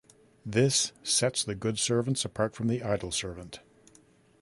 This sets the good servants apart from the idle servant.